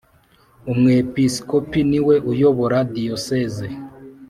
Umwepiskopi niwe uyobora Diyoseze .